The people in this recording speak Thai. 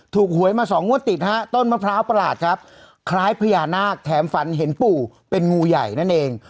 หวยมาสองงวดติดฮะต้นมะพร้าวประหลาดครับคล้ายพญานาคแถมฝันเห็นปู่เป็นงูใหญ่นั่นเอง